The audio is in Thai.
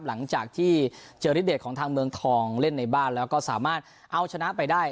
หลังจากที่เจอฤทเดชของทางเมืองทองเล่นในบ้านแล้วก็สามารถเอาชนะไปได้